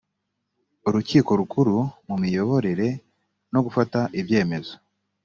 urukiko rukuru mu miyoborere no gufata ibyemezo